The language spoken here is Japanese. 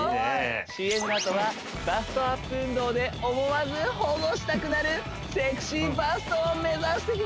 ＣＭのあとはバストアップ運動で思わず保護したくなるセクシーバストを目指していきますよ